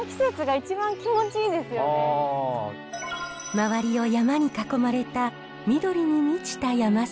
周りを山に囲まれた緑に満ちた山崎。